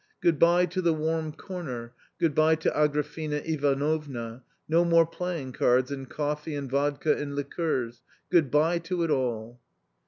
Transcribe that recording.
Good bye to the warm corner, good bye to Agrafena Ivanovna, no more playing cards, and coffee and vodka and liqueurs — good bye to it all